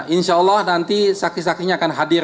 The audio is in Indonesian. insya allah nanti saksi saksinya akan hadir